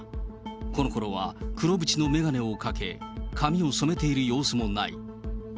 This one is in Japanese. この頃は黒縁の眼鏡をかけ、髪を染めている様子もない。